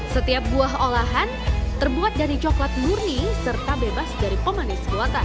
setiap buah olahan terbuat dari coklat murni serta bebas dari pemanis buatan